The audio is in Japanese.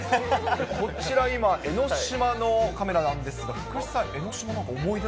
こちら今、江の島のカメラなんですが、福士さん、江の島？